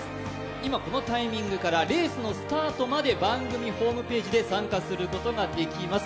今、このタイミングからレースのスタートまで番組ホームページで参加することができます。